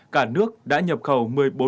cả nước đã nhập khẩu